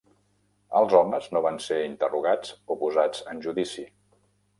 Els homes no van ser interrogat o posats en judici.